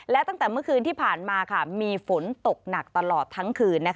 และตั้งแต่เมื่อคืนที่ผ่านมามีฝนตกหนักตลอดทั้งคืน